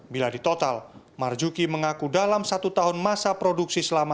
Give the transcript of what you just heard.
bila di total marjuki mengaku dalam satu tahun masa produksi selama